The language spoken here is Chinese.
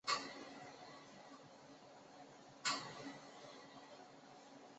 杰克逊镇区为美国堪萨斯州索姆奈县辖下的镇区。